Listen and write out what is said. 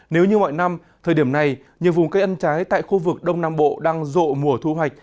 nếu như mọi năm thời điểm này nhiều vùng cây ăn trái tại khu vực đông nam bộ đang rộ mùa thu hoạch